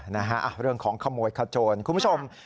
นะฮะเรื่องของขโมยขโจรคุณผู้ชม